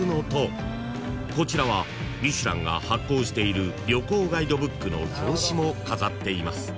［こちらはミシュランが発行している旅行ガイドブックの表紙も飾っています］